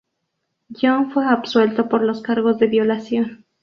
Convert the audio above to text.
John fue absuelto por los cargos de violación.